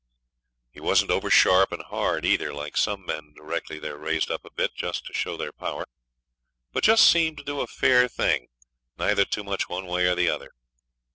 He wasn't over sharp and hard either, like some men directly they're raised up a bit, just to show their power. But just seemed to do a fair thing, neither too much one way or the other.